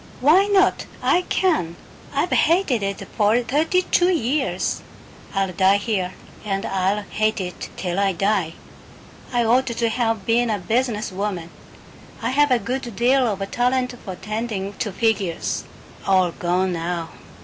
"Why not? I can! I've hated it for thirty two years. I'll die here and I'll hate it till I die. I ought to have been a business woman. I had a good deal of talent for tending to figures. All gone now.